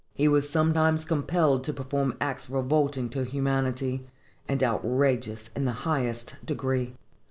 He was sometimes compelled to perform acts revolting to humanity, and outrageous in the highest degree.